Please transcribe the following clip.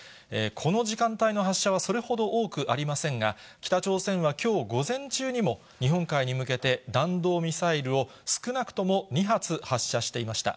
この時間帯の発射はそれほど多くありませんが、北朝鮮はきょう午前中にも、日本海に向けて弾道ミサイルを、少なくとも２発発射していました。